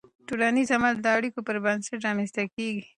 ټولنیز عمل د اړیکو پر بنسټ رامنځته کېږي.